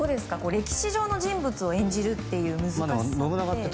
歴史上の人物を演じるっていう難しさって。